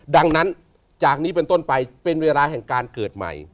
ดังนั้นจากนี้เป็นต้นไปเป็นเวลาแห่งการเกิดใหม่